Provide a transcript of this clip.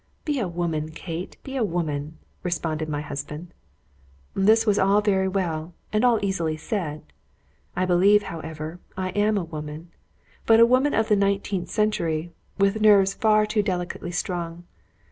"Be a woman, Kate! be a woman," responded my husband. This was all very well, and all easily said. I believe, however, I am a woman, but a woman of the nineteenth century, with nerves far too delicately strung.